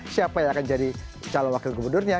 siapa yang akan jadi calon wakil gubernurnya